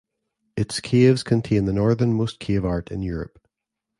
Its caves contain the northernmost cave art in Europe.